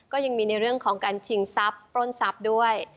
ก็ยังมีในเรื่องของการชิงทรัพย์ปล้นทรัพย์ด้วย